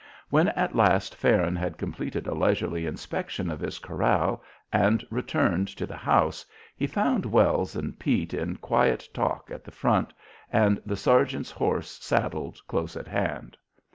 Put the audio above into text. When at last Farron had completed a leisurely inspection of his corral and returned to the house, he found Wells and Pete in quiet talk at the front, and the sergeant's horse saddled close at hand.